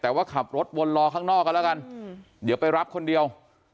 แต่ว่าขับรถวนรอข้างนอกกันแล้วกันเดี๋ยวไปรับคนเดียว